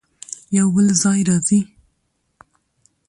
يو بل ځای راځي